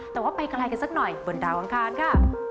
แต่ว่าไปไกลกันสักหน่อยบนดาวอังคารค่ะ